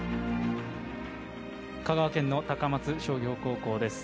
香川県の高松商業高校です。